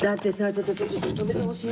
ちょっとちょっと止めてほしい。